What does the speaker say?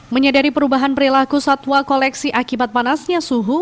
menyadari perubahan perilaku satwa koleksi akibat panasnya suhu